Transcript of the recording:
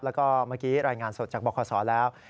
แล้วก็เมื่อกี้รายงานสดจากบคศแล้ว